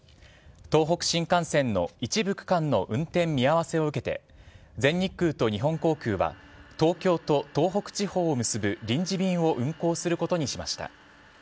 東北新幹線の一部区間の運転見合わせを受けて全日空と日本航空は東京と東北地方を結ぶ臨時便を運航することにしました。